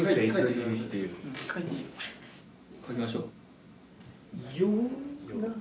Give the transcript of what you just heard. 書きましょう。